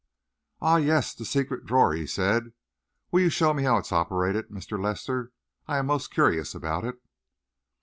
"Ah, yes, the secret drawer," he said. "Will you show me how it is operated, Mr. Lester? I am most curious about it."